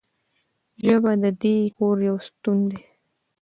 ژبه د دې کور یو ستون دی.